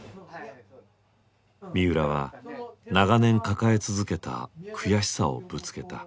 三浦は長年抱え続けた悔しさをぶつけた。